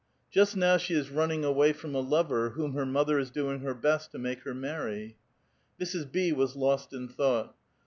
Just now, she is run uing away from a lover whom her mother is doing her best to make her many." Mrs. B. was lost in thought.